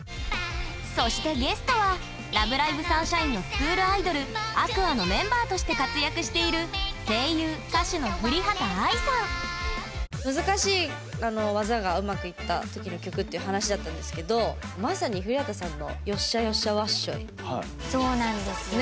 そしてゲストは「ラブライブ！サンシャイン！！」のスクールアイドルＡｑｏｕｒｓのメンバーとして活躍している難しい技がうまくいった時の曲っていう話だったんですけどまさに降幡さんのそうなんです。ね。